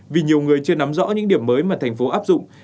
vì nhiều người chưa nắm rõ những điểm mới mà thành phố áp dụng